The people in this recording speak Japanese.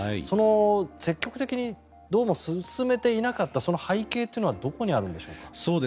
その積極的にどうも進めていなかったその背景というのはどこにあるんでしょうか。